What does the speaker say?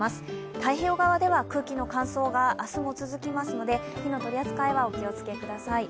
太平洋側では空気の乾燥が明日も続きますので、火の取り扱いはお気をつけください。